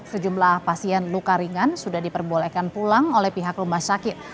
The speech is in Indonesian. sejumlah pasien luka ringan sudah diperbolehkan pulang oleh pihak rumah sakit